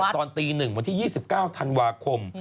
ตอนตี๑วันที่๒๙ธันวาคม